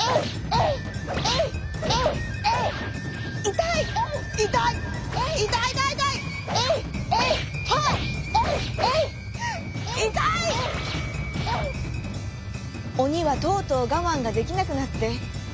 オニはとうとうがまんができなくなって。